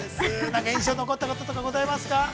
◆何か印象に残ったこととかはありますか？